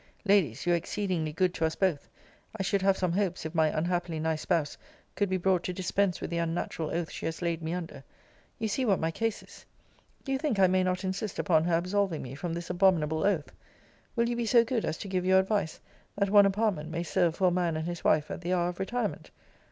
Ladies, you are exceedingly good to us both. I should have some hopes, if my unhappily nice spouse could be brought to dispense with the unnatural oath she has laid me under. You see what my case is. Do you think I may not insist upon her absolving me from this abominable oath? Will you be so good as to give your advice, that one apartment may serve for a man and his wife at the hour of retirement?